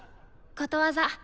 ことわざ。